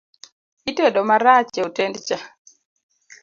Itedo marach e hotend cha